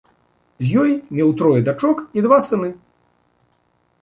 З ёй меў трое дачок і два сыны.